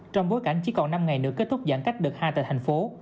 trong bối cảnh chỉ còn năm ngày nữa kết thúc giãn cách đợt hai tại thành phố